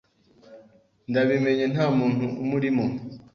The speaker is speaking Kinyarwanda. Ndabimenye nta muntu umurimo.